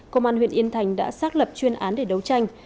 công an huyện yên thành đã xác lập chuyên án để đấu tranh